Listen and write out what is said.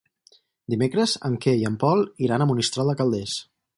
Dimecres en Quer i en Pol iran a Monistrol de Calders.